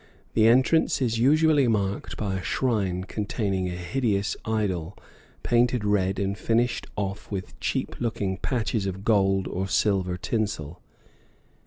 The entrance is usually marked by a shrine containing a hideous idol, painted red and finished off with cheap looking patches of gold or silver tinsel.